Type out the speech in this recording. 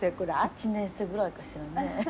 １年生ぐらいかしらね。